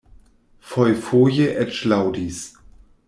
Fojfoje eĉ laŭdis.